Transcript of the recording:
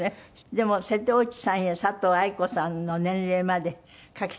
でも瀬戸内さんや佐藤愛子さんの年齢まで書きたいと思ってらっしゃる？